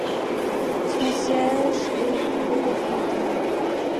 Son siège est Bellefontaine.